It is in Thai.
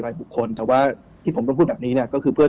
บุคคลแต่ว่าที่ผมต้องพูดแบบนี้เนี่ยก็คือเพื่อ